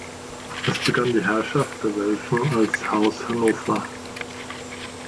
Es begann die Herrschaft der Welfen als Haus Hannover.